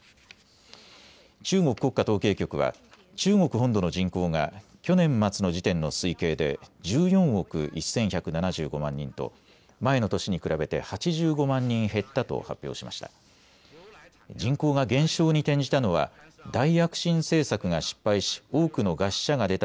中国国家統計局は中国本土の人口が去年末の時点の推計で１４億１１７５万人と前の年に比べて８５万人減ったと発表しました。